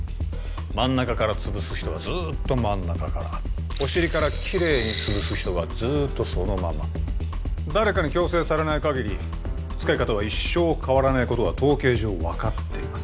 真ん中から潰す人はずっと真ん中からおしりからキレイに潰す人はずっとそのまま誰かに強制されないかぎり使い方は一生変わらないことが統計上分かっています